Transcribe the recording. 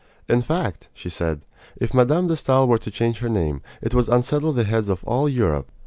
"In fact," she said, "if Mme. de Stael were to change her name, it would unsettle the heads of all Europe!"